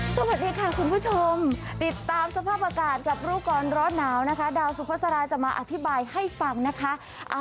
สวัสดีค่ะคุณผู้ชมติดตามสภาพอากาศกับรู้ก่อนร้อนหนาวนะคะดาวสุภาษาจะมาอธิบายให้ฟังนะคะ